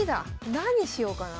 何しようかな。